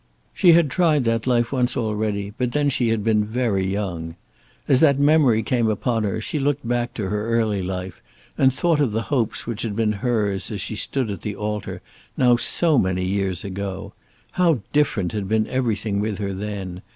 She had tried that life once already, but then she had been very young. As that memory came upon her, she looked back to her early life, and thought of the hopes which had been hers as she stood at the altar, now so many years ago. How different had been everything with her then!